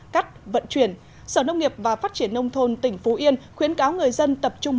cắt vận chuyển sở nông nghiệp và phát triển nông thôn tỉnh phú yên khuyến cáo người dân tập trung